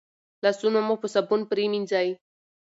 لاسونه مو په صابون پریمنځئ.